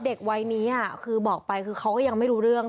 เด็กวัยนี้คือบอกไปคือเขาก็ยังไม่รู้เรื่อง